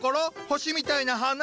星みたいな花？